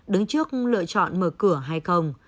đứng trước lựa chọn mở cửa hay không